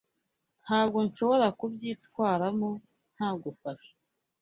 Ntabwo nshobora kubyitwaramo ntagufasha.